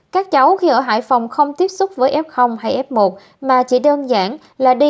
các cháu khi ở hải phòng không tiếp xúc với f hay f một mà chỉ đơn giản là đi